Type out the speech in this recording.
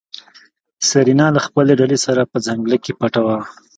سېرېنا له خپلې ډلې سره په ځنګله کې پټه وه.